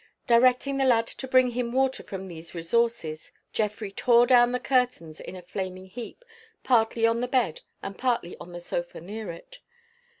Directing the lad to bring him water from these resources, Geoffrey tore down the curtains in a flaming heap, partly on the bed and partly on the sofa near it.